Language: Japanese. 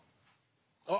あっ！